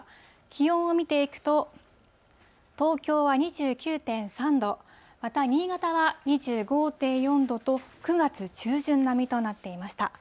気温を見ていくと、東京は２９．３度、また新潟は２５．４度と、９月中旬並みとなっていました。